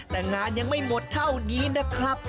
แต่งานยังไม่หมดเท่านี้นะครับ